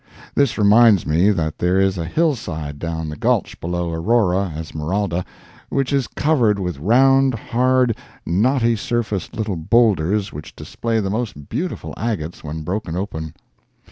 This reminds me that there is a hill side down the gulch below Aurora, Esmeralda, which is covered with round, hard, knotty surfaced little boulders which display the most beautiful agates when broken open.